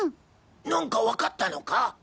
何かわかったのか？